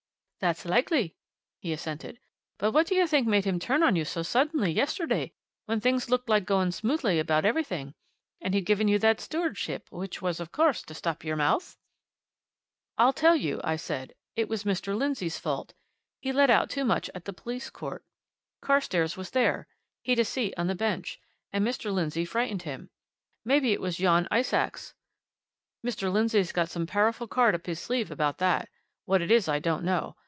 "That's likely," he assented. "But what do you think made him turn on you so suddenly, yesterday, when things looked like going smoothly about everything, and he'd given you that stewardship which was, of course, to stop your mouth?" "I'll tell you," I said. "It was Mr. Lindsey's fault he let out too much at the police court. Carstairs was there he'd a seat on the bench and Mr. Lindsey frightened him. Maybe it was yon ice ax. Mr. Lindsey's got some powerful card up his sleeve about that what it is I don't know.